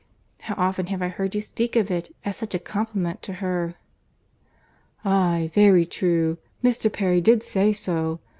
How often have I heard you speak of it as such a compliment to her!" "Aye, very true. Mr. Perry did say so.